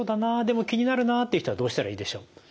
でも気になるなあっていう人はどうしたらいいでしょう？